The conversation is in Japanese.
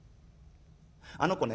あの子ね